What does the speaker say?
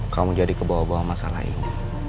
kamu jadi kebawa bawa masalah ini